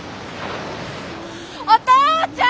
お父ちゃん！